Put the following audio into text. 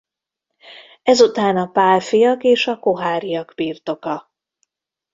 Ezután a Pálffyak és a Koháryak birtoka.